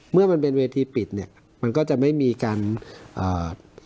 เมื่อมันเป็นเวทีปิดเนี้ยมันก็จะไม่มีการอ่า